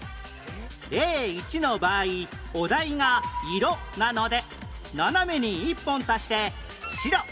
例１の場合お題が色なので斜めに１本足して白